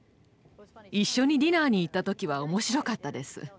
一緒にディナーに行った時は面白かったです。